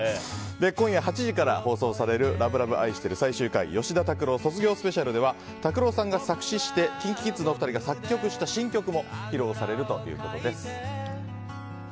今夜８時から放送される「ＬＯＶＥＬＯＶＥあいしてる最終回・吉田拓郎卒業ＳＰ」では拓郎さんが作詞してＫｉｎＫｉＫｉｄｓのお二人が作曲した新曲も披露されるということです。